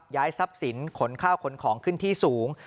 ย้ายทรัพย์สินขนข้าวขนของขึ้นที่สูง